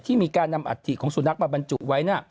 ที่มีการนำอัตภิกส์ของสูนักมาบรรจุไว้นะ